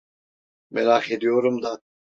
Merak ediyorum da…